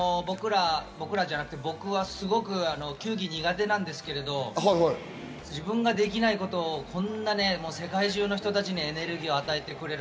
僕は球技が苦手なんですけど、自分ができないことをこんな世界中の人たちにエネルギーを与えてくれる。